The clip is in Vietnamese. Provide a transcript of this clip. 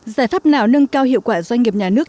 giải pháp nào nâng cao hiệu quả doanh nghiệp nhà nước